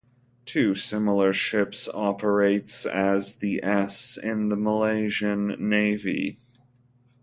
Two similar ships operates as the s in the Malaysian Navy.